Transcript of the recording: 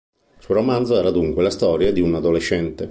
Il suo romanzo era dunque la storia di un adolescente.